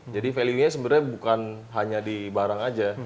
jadi valuenya sebenarnya bukan hanya di barang aja